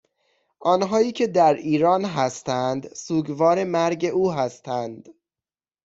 آنهایی که در ایران هستند سوگوار مرگ او هستند